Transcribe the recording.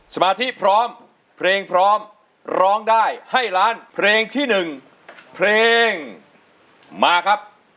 สมาธิพร้อมเพลงพร้อมร้องได้ให้ล้านเพลงที่๑เพลงมาครับ